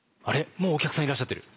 もうお客さんいらっしゃってる。